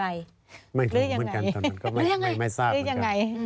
ไม่รู้เหมือนกันมันก็ไม่ทราบเหมือนกัน